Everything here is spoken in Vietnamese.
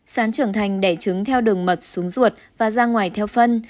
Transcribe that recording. sán trưởng thành để chứng theo đường mật xuống ruột và ra ngoài theo phân